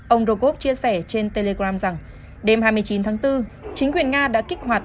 ông rov chia sẻ trên telegram rằng đêm hai mươi chín tháng bốn chính quyền nga đã kích hoạt